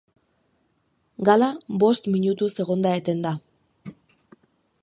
Gala bost minutuz egon da etenda.